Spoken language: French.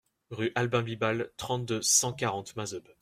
Rue Albin Bibal, trente-deux, cent quarante Masseube